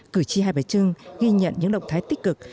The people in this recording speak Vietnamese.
cử tri hai bà trưng ghi nhận những động thái tích cực